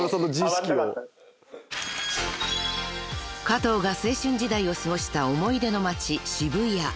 ［加藤が青春時代を過ごした思い出の街］